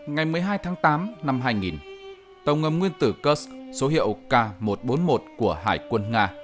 ngày một mươi hai tháng tám năm hai nghìn tàu ngầm nguyên tử kursk số hiệu k một trăm bốn mươi một của hải quân nga